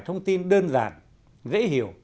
thông tin đơn giản dễ hiểu